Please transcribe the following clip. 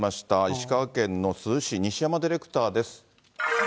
石川県の珠洲市、西山ディレクターです。